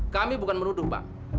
kami bukan meruduh bapak